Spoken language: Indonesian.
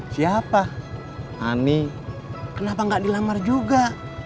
siapa ani kenapa gak dilamar juga